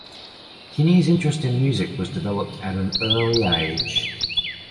Kinney's interest in music was developed at an early age.